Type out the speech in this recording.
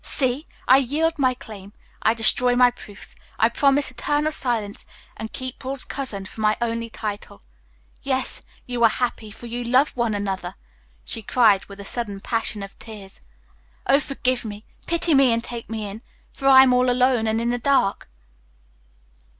See! I yield my claim, I destroy my proofs, I promise eternal silence, and keep 'Paul's cousin' for my only title. Yes, you are happy, for you love one another!" she cried, with a sudden passion of tears. "Oh, forgive me, pity me, and take me in, for I am all alone and in the dark!"